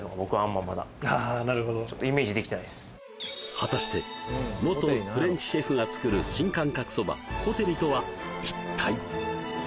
果たして元フレンチシェフが作る新感覚そばコテリとは一体？